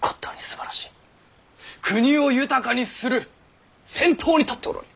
国を豊かにする先頭に立っておられる。